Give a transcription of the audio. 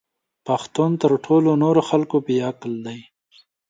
پښتون تر ټولو نورو خلکو بې عقل دی!